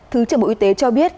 thứ trưởng bộ y tế cho biết